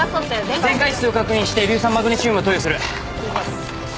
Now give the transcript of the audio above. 電解質を確認して硫酸マグネシウムを投与する。